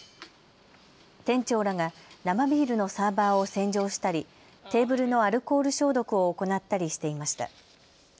店長らが生ビールのサーバーを洗浄したりテーブルのアルコール消毒を行ったりしていました。